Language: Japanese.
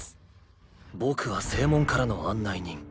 「僕は正門からの案内人。